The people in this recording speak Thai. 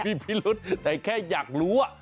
ไม่เป็นพิรุดแต่แค่อยากรู้